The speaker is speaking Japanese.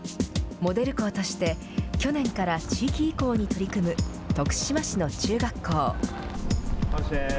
モデル校として、去年から地域移行に取り組む徳島市の中学校。